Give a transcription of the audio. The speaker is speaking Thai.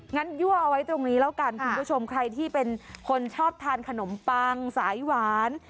ยั่วเอาไว้ตรงนี้แล้วกันคุณผู้ชมใครที่เป็นคนชอบทานขนมปังสายหวาน